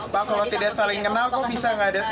pak kalau tidak saling kenal kok bisa nggak ada